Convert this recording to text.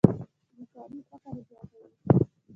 بېکاري فقر زیاتوي.